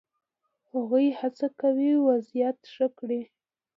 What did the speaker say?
هغوی هڅه کوي وضعیت ښه کړي.